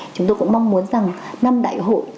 chúng tôi cũng mong muốn rằng năm đại hội